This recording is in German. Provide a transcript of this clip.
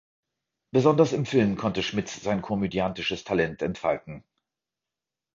Besonders im Film konnte Schmitz sein komödiantisches Talent entfalten.